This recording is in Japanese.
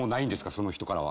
その人からは。